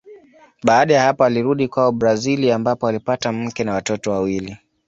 Baada ya hapo alirudi kwao Brazili ambapo alipata mke na watoto wawili.